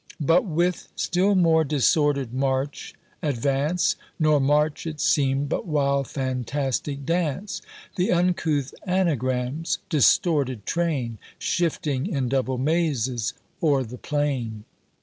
But with still more disorder'd march advance, (Nor march it seem'd, but wild fantastic dance,) The uncouth ANAGRAMS, distorted train, Shifting, in double mazes, o'er the plain.